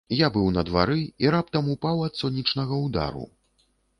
Я быў на двары, і раптам упаў ад сонечнага ўдару.